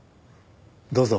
どうぞ。